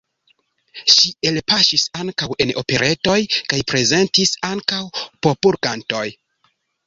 Ŝi elpaŝis ankaŭ en operetoj kaj prezentis ankaŭ popolkantojn.